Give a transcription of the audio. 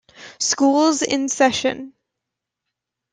School's in session.